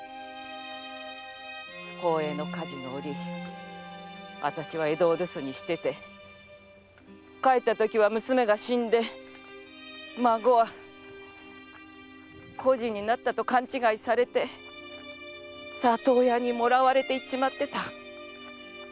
宝永の火事の折わたしは江戸を留守にしていて帰ったときは娘が死んで孫は孤児になったと勘違いされて里親にもらわれていっちまってた。